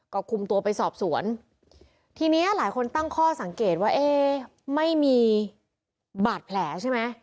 ก็คุมตัวไปสอบสวนทีเนี้ยหลายคนตั้งข้อสังเกตว่าเอ๊ไม่มีบาดแผลใช่ไหม